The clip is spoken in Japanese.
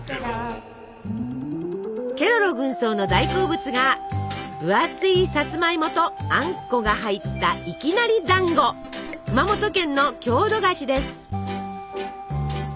ケロロ軍曹の大好物が分厚いさつまいもとあんこが入った熊本県の郷土菓子です。